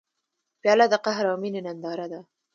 پیاله د قهر او مینې ننداره ده.